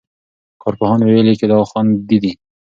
کارپوهانو ویلي چې دا خوندي دی.